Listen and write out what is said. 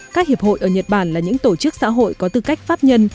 các hiệp hội ở nhật bản là những tổ chức xã hội có tư cách pháp nhân